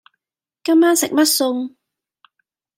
今晚食乜餸